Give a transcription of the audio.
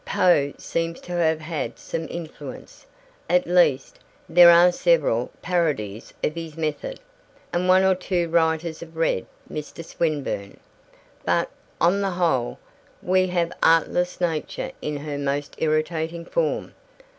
Poe seems to have had some influence at least, there are several parodies of his method and one or two writers have read Mr. Swinburne; but, on the whole, we have artless Nature in her most irritating form.